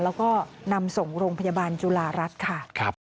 แล้วก็นำส่งโรงพยาบาลจุฬารัฐค่ะ